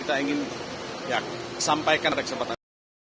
kita ingin sampaikan ada kesempatan